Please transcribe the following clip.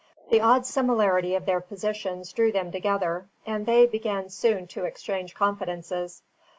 The odd similarity of their positions drew them together, and they began soon to exchange confidences.